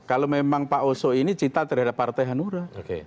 kalau memang pak oso ini cita terhadap partai hanura